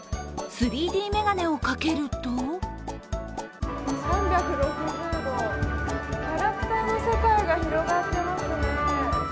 ３Ｄ眼鏡をかけると３６０度、キャラクターの世界が広がっていますね。